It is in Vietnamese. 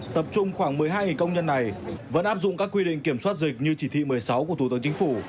tập trung khoảng một mươi hai công nhân này vẫn áp dụng các quy định kiểm soát dịch như chỉ thị một mươi sáu của thủ tướng chính phủ